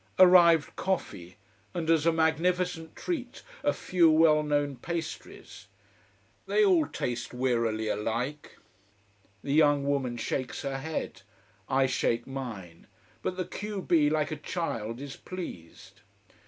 Arrived coffee, and, as a magnificent treat, a few well known pastries. They all taste wearily alike. The young woman shakes her head. I shake mine, but the q b, like a child, is pleased.